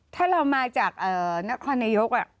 ถ้าเรามาจากนกควานยก